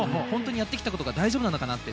やってきたことが本当に大丈夫かなって。